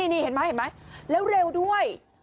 นี่เห็นไหมแล้วเร็วด้วย